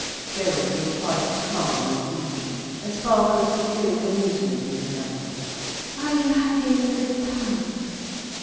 Gerald was quite calm and easy, a spark of satiric amusement in his eye. "Are you having a good time?"